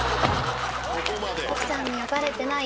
奥さんにはバレてない？